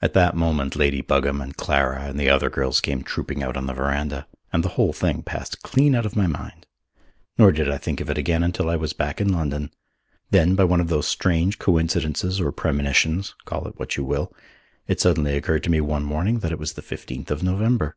At that moment Lady Buggam and Clara and the other girls came trooping out on the verandah, and the whole thing passed clean out of my mind. Nor did I think of it again until I was back in London. Then, by one of those strange coincidences or premonitions call it what you will it suddenly occurred to me one morning that it was the fifteenth of November.